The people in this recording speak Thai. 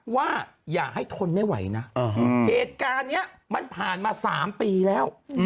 ว่าอย่าให้ทนไม่ไหวนะเหตุการณ์นี้มันผ่านมา๓ปีแล้ว